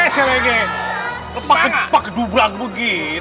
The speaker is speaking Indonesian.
sepak sepak dubrak begitu